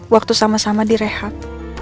waktu sama sama direhat